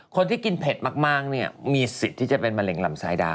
คนที่กินเผ็ดมากเนี่ยมีสิทธิ์ที่จะเป็นมะเร็งลำซ้ายได้